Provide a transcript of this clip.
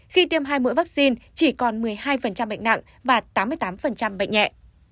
khi tiêm hai mũi vaccine chỉ còn một mươi hai bệnh nặng và tám mươi tám bệnh nhẹ